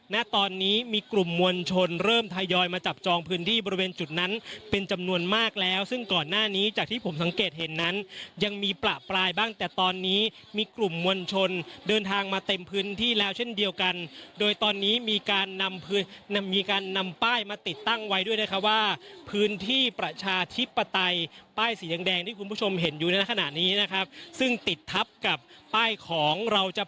นะตอนนี้มีกลุ่มมวลชนเริ่มทายอยมาจับจองพื้นที่บริเวณจุดนั้นเป็นจำนวนมากแล้วซึ่งก่อนหน้านี้จากที่ผมสังเกตเห็นนั้นยังมีประปรายบ้างแต่ตอนนี้มีกลุ่มมวลชนเดินทางมาเต็มพื้นที่แล้วเช่นเดียวกันโดยตอนนี้มีการนำพื้นมีการนำป้ายมาติดตั้งไว้ด้วยนะคะว่าพื้นที่ประชาชิปไตยป้ายสีแดงแด